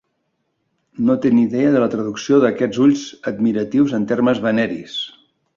No té ni idea de la traducció d'aquests ulls admiratius en termes veneris.